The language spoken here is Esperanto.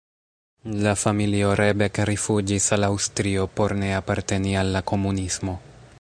La familio Rebek rifuĝis al Aŭstrio por ne aparteni al la komunismo.